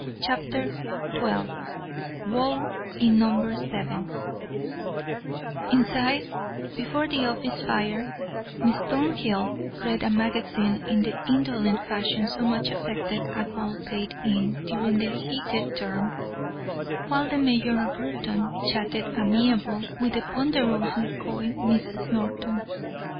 CHAPTER XII WOE IN NUMBER SEVEN Inside, before the office fire, Miss Thornhill read a magazine in the indolent fashion so much affected at Baldpate Inn during the heated term; while the mayor of Reuton chatted amiably with the ponderously coy Mrs. Norton.